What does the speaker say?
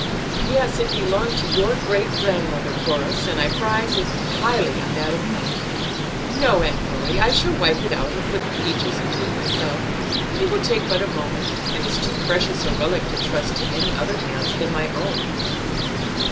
"Yes, it belonged to your great grandmother, Horace, and I prize it highly on that account. No, Aunt Chloe, I shall wipe it out and put the peaches into it myself; it will take but a moment, and it's too precious a relic to trust to any other hands than my own."